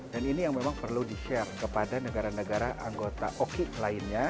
dan ini yang memang perlu di share kepada negara negara anggota oic lainnya